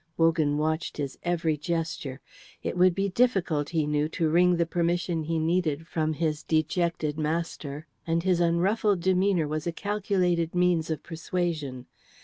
Wogan watched his every gesture. It would be difficult he knew to wring the permission he needed from his dejected master, and his unruffled demeanour was a calculated means of persuasion.